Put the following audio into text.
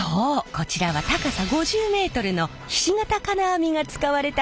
こちらは高さ５０ｍのひし形金網が使われた校舎！